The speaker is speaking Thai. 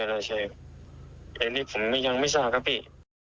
แต่นี่ผมยังไม่ทราบครับพี่